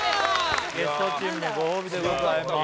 ゲストチームのご褒美でございます